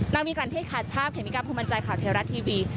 นักวิการที่ขาดภาพเขมมิกราบภูมิมันใจข่าวเทวรัตน์ทีวี